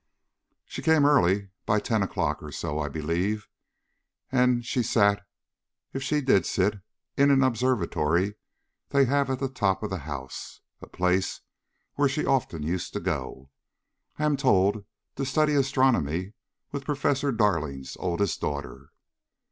"She came early; by ten o'clock or so, I believe, and she sat, if she did sit, in an observatory they have at the top of the house: a place where she often used to go, I am told, to study astronomy with Professor Darling's oldest daughter."